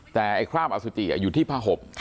แต่ไอ้คราบอสุจิอยู่ที่ผ้าห่ม